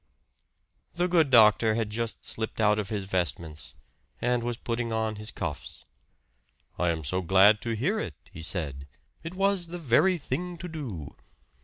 The good doctor had just slipped out of his vestments, and was putting on his cuffs. "I am so glad to hear it!" he said. "It was the very thing to do!"